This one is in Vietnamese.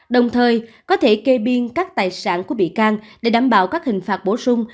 đồng thời có thể kê biên các tài sản của bị can để đảm bảo các hình phạt bổ sung